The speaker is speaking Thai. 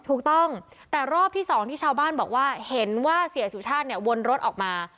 ถูกต้องแต่รอบที่สองที่ชาวบ้านบอกว่าเห็นว่าเสียสุชาติเนี่ยวนรถออกมา